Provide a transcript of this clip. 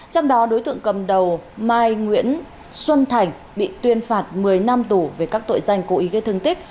trong đó đối tượng cầm đầu mai nguyễn xuân thành bị tuyên phạt một mươi năm tù về các tội danh cố ý gây thương tích